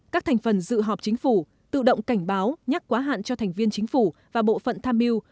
các thành phần dự họp chính phủ tự động cảnh báo nhắc quá hạn cho thành viên chính phủ và bộ phận tham mưu